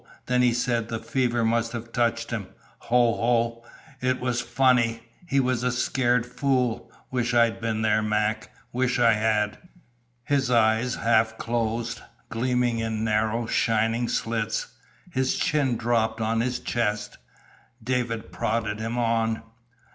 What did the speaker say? Then he said the fever must have touched him. Ho, ho! it was funny. He was a scared fool. Wish I'd been there, Mac; wish I had!" His eyes half closed, gleaming in narrow, shining slits. His chin dropped on his chest. David prodded him on.